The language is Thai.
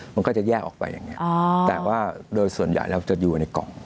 มันก็จะแยกออกไปอย่างนี้แต่ว่าโดยส่วนใหญ่เราจะอยู่ในกล่อง